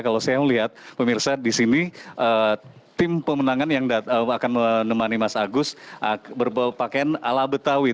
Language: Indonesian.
kalau saya melihat pemirsa di sini tim pemenangan yang akan menemani mas agus berpakaian ala betawi